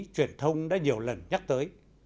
truyền thông đã nhiều lần nhắc tới